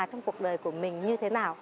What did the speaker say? trong cuộc đời của mình như thế nào